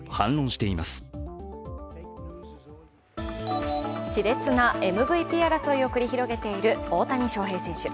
しれつなＭＶＰ争いを繰り広げている大谷翔平選手。